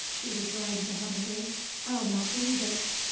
she rejoined vehemently, "I'll not believe it!